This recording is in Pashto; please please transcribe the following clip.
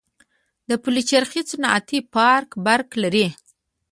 د پلچرخي صنعتي پارک برق لري؟